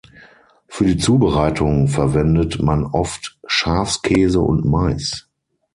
Für die Zubereitung verwendet man oft Schafskäse und Mais.